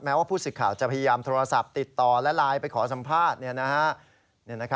ว่าผู้สิทธิ์ข่าวจะพยายามโทรศัพท์ติดต่อและไลน์ไปขอสัมภาษณ์